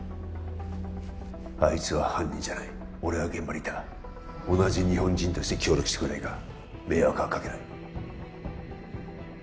あいつは犯人じゃない俺は現場にいた同じ日本人として協力してくれないか迷惑はかけない